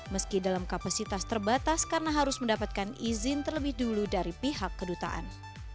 meski dalam kapasitas terbatas karena harus mendapatkan izin terlebih dulu dari pihak kedutaan